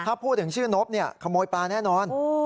ถ้าพูดถึงชื่อนบขโมยปลาแน่นอน